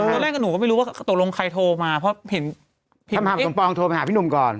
ตอนแรกหนูก็ไม่รู้ว่าตกลงใครโทรมาเพราะเห็นคำถามสมปองโทรไปหาพี่หนุ่มก่อน